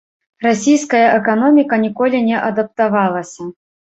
Расійская эканоміка ніколі не адаптавалася.